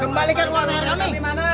kembalikan uang tr kami